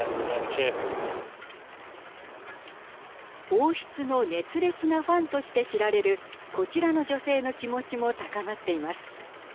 王室の熱烈なファンとして知られるこちらの女性の気持ちも高まっています。